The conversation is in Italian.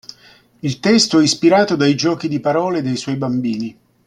Il testo è ispirato dai giochi di parole dei suoi bambini.